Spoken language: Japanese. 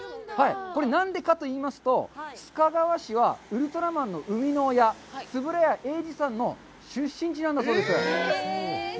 これ何でかといいますと須賀川市はウルトラマンの生みの親円谷英二さんの出身地なんだそうです。